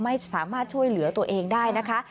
ไม่สามารถช่วยเหลือตัวเองได้นะคะ